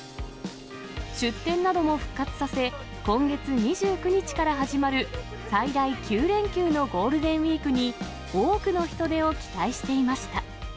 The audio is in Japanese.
出店なども復活させ、今月２９日から始まる最大９連休のゴールデンウィークに多くの人出を期待していました。